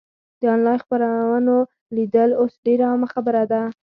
د انلاین خپرونو لیدل اوس ډېره عامه خبره ده.